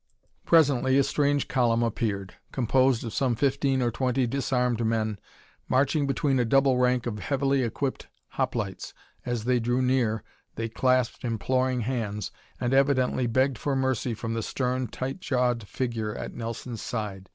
Presently a strange column appeared, composed of some fifteen or twenty disarmed men marching between a double rank of heavily equipped hoplites. As they drew near, they clasped imploring hands and evidently begged for mercy from the stern, tight jawed figure at Nelson's side.